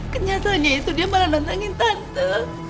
kenyataannya itu dia malah nentangin tante